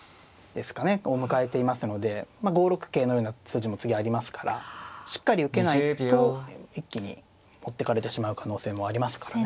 を迎えていますので５六桂のような筋も次ありますからしっかり受けないと一気に持ってかれてしまう可能性もありますからね。